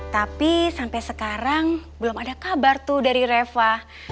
tapi sampai sekarang belum ada kabar tuh dari reva